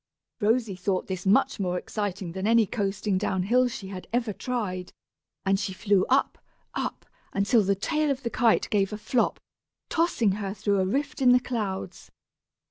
Rosy thought this much more exciting than any coasting down hill she had ever tried; and she flew up, up, until the tail of the kite gave a flop, tossing her through a rift in the clouds.